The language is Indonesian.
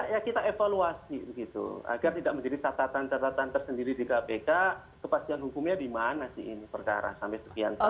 ya kita evaluasi begitu agar tidak menjadi catatan catatan tersendiri di kpk kepastian hukumnya di mana sih ini perkara sampai sekian tahun